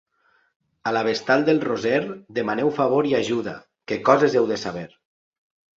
A la vestal del Roser demaneu favor i ajuda, que coses heu de saber.